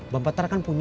bang batar kan punya